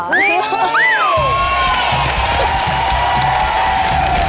วันนี้คือหุ่นล่า